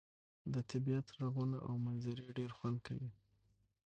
د طبيعت ږغونه او منظرې ډير خوند کوي.